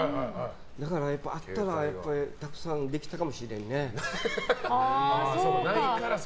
だから、あったらたくさんできたかもしれないね。